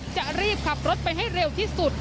จะรีบขับรถไปให้เร็วที่สุด